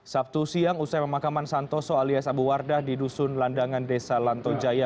sabtu siang usai pemakaman santoso alias abu wardah di dusun landangan desa lantojaya